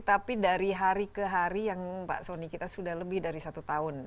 tapi dari hari ke hari yang pak soni kita sudah lebih dari satu tahun